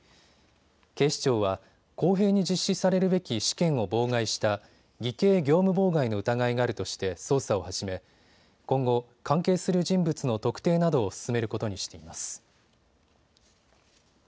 警視庁は公平に実施されるべき試験を妨害した偽計業務妨害の疑いがあるとして捜査を始め今後、関係する人物の特定などを進めることにしています。